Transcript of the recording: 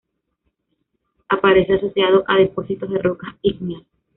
Aparece asociado a depósitos de rocas ígneas.